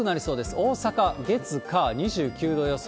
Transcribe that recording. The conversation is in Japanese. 大阪、月、火、２９度予想。